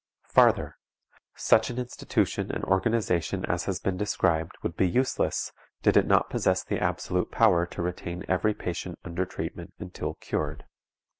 Farther: Such an institution and organization as has been described would be useless did it not possess the absolute power to retain every patient under treatment until cured.